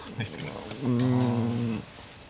うん。